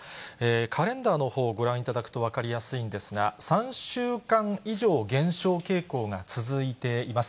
カレンダーのほうをご覧いただくと、分かりやすいんですが、３週間以上減少傾向が続いています。